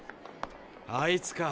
あいつか？